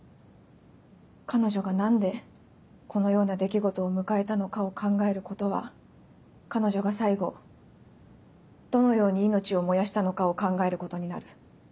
彼女が何でこのような出来事を迎えたのかを考えることは彼女が最後どのように命を燃やしたのかを考えることになる。